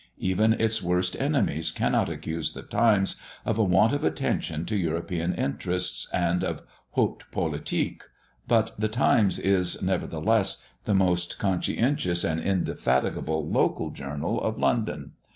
Even its worst enemies cannot accuse the Times of a want of attention to European interests, and of "haute politique"; but the Times is, nevertheless, the most conscientious and indefatigable local journal of London.